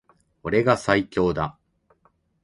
俺が最強だ